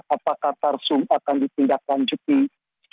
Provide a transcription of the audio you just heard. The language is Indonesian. apakah tarsum akan ditindak lanjuti secara praktis